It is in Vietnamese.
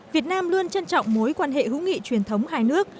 việt nam luôn trân trọng mối quan hệ hữu nghị truyền thống hai nước